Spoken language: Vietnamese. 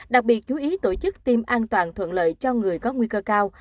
đặc biệt chú ý tổ chức tiêm an toàn thuận lợi cho người có nguy cơ cao